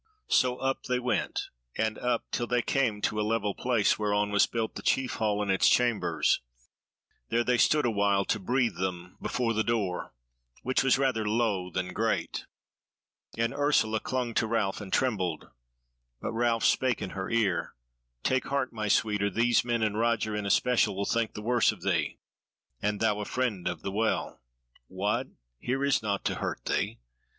So up they went and up, till they came to a level place whereon was built the chief hall and its chambers: there they stood awhile to breathe them before the door, which was rather low than great; and Ursula clung to Ralph and trembled, but Ralph spake in her ear: "Take heart, my sweet, or these men, and Roger in especial, will think the worse of thee; and thou a Friend of the Well. What! here is naught to hurt thee!